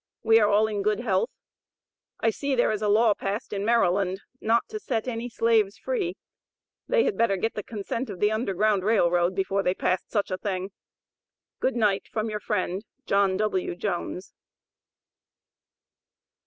We are all in good health. I see there is a law passed in Maryland not to set any slaves free. They had better get the consent of the Underground Rail Road before they passed such a thing. Good night from your friend, JOHN W. JONES.